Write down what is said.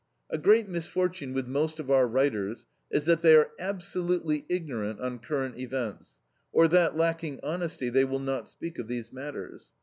A great misfortune with most of our writers is that they are absolutely ignorant on current events, or that, lacking honesty, they will not speak of these matters.